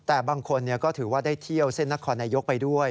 แต่บางคนก็ถือว่าได้เที่ยวเส้นนครนายกไปด้วย